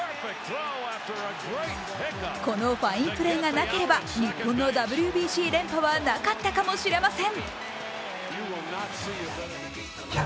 このファインプレーがなければ日本のＷＢＣ連覇はなかったかもしれません。